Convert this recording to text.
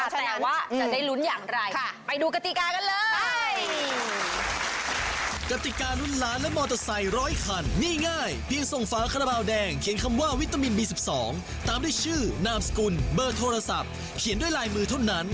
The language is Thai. ขนาดฉะนั้นยังหลุ้นอย่างไรไปดูกติกากันเลย